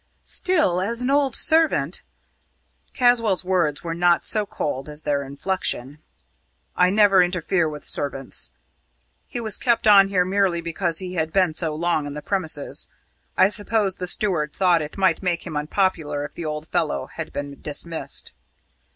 "Still, as an old servant ..." Caswall's words were not so cold as their inflection. "I never interfere with servants. He was kept on here merely because he had been so long on the premises. I suppose the steward thought it might make him unpopular if the old fellow had been dismissed."